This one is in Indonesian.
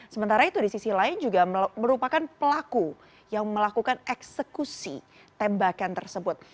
sementara itu di sisi lain juga merupakan pelaku yang melakukan eksekusi tembakan tersebut